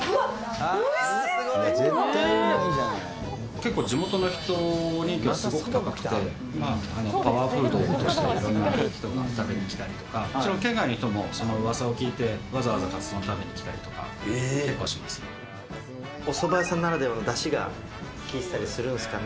結構、地元の人に人気がすごく高くて、パワーフードとして、いろんな人が食べに来たりとか。県外の人もそのうわさを聞いて、わざわざカツ丼食べに来たりとか、おそば屋さんならではのだしでかっ。